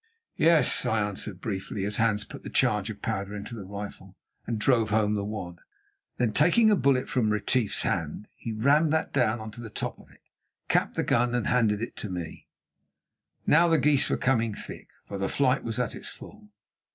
"Yes," I answered briefly, as Hans put the charge of powder into the rifle, and drove home the wad. Then, taking a bullet from Retief's hand, he rammed that down on to the top of it, capped the gun, and handed it to me. By now the geese were coming thick, for the flight was at its full.